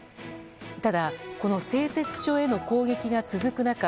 ただ、この製鉄所への攻撃が続く中